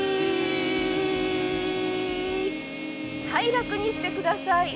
楽にしてください。